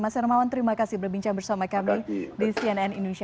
mas hermawan terima kasih berbincang bersama kami di cnn indonesia